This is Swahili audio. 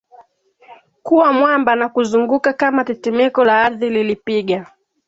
kuwa mwamba na kuzunguka kama tetemeko la ardhi lilipiga